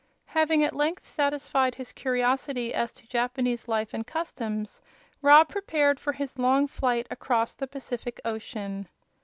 Having at length satisfied his curiosity as to Japanese life and customs Rob prepared for his long flight across the Pacific Ocean.